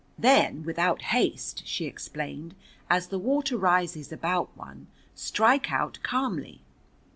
"Then without haste," she explained, "as the water rises about one, strike out calmly.